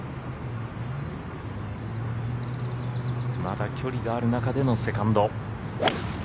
まだ距離がある中でのセカンド。